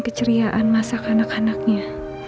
keceriaan masyarakat anak anaknya